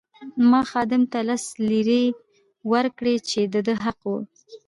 ما خادم ته لس لیرې ورکړې چې د ده حق وو.